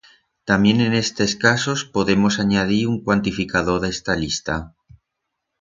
Tamién en estes casos, podemos anyadir un cuantificador d'esta lista.